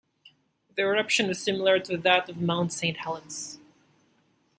The eruption was similar to that of Mount Saint Helens.